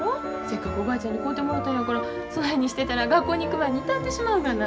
せっかくおばあちゃんに買うてもろたんやからそないにしてたら学校に行く前に傷んでしまうがな。